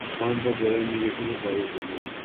خان صاحب ذرا امیگریشن سے فارغ ہولیں